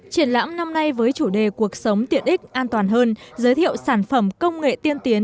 triển lãm năm nay với chủ đề cuộc sống tiện ích an toàn hơn giới thiệu sản phẩm công nghệ tiên tiến